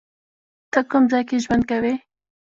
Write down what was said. ته کوم ځای کې ژوند کوی؟